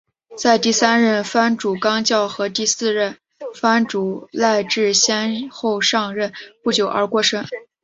在第三任藩主纲教和第四任藩主赖织先后上任不久而过身。